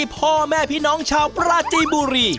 พี่น้องชาวประจีบุรี